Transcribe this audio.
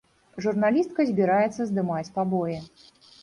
Журналістка збіраецца здымаць пабоі.